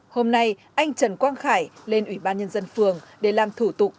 hôm nay anh trần quang khải lên ủy ban nhân dân phường để làm thủ tục